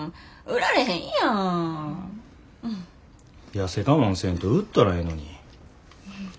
痩せ我慢せんと売ったらええのに。